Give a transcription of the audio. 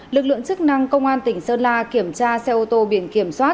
lực lượng chức năng công an tỉnh sơn la kiểm tra xe ô tô biển kiểm soát